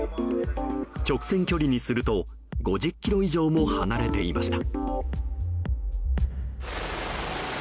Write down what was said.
直線距離にすると５０ｋｍ以上も離れていました。